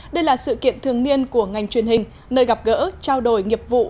đây là sự kiện thường niên của ngành truyền hình nơi gặp gỡ trao đổi nghiệp vụ